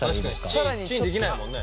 確かにチンできないもんね。